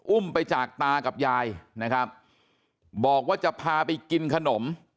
อุ้มไปจากตากับยายนะครับบอกว่าจะพาไปกินขนม